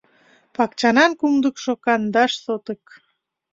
— Пакчанан кумдыкшо кандаш сотык.